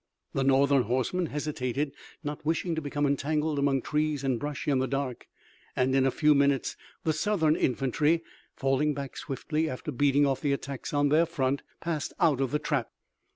The Northern horsemen hesitated, not wishing to become entangled among trees and brush in the dark, and in a few minutes the Southern infantry, falling back swiftly after beating off the attacks on their front, passed out of the trap.